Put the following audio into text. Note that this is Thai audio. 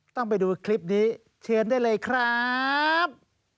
ต้องไปดูคลิปนี้เชิญได้เลยครับ